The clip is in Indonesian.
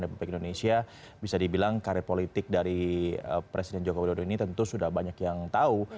dan republik indonesia bisa dibilang karir politik dari presiden jokowi dodo ini tentu sudah banyak yang tahu